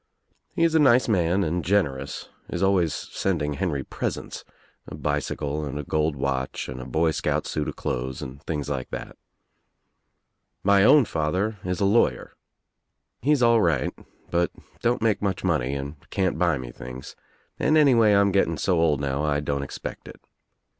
He is a nice man and generous, is always sending Henry presents, a bicycle and a gold watch and a boy scout suit of clothes and things like that. My own father is a lawyer. He's all right, but don't make much money and can't buy me things and anyway I'm getting so old now I don't expect it.